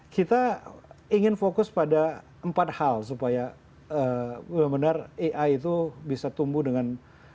kita ingin fokus pada empat hal supaya benar benar ai itu bisa tumbuh dengan